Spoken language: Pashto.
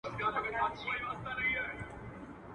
په اجمالي توګه ذکريدل ئې پدې معنی دي.